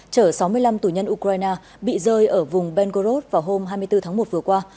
chở sáu mươi năm tù nhân ukraine bị rơi ở vùng benkorod vào hôm hai mươi bốn tháng một vừa qua